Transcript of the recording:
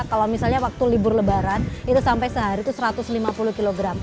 kalau misalnya waktu libur lebaran itu sampai sehari itu satu ratus lima puluh kg